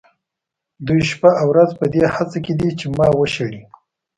دوی شپه او ورځ په دې هڅه کې دي چې ما وشړي.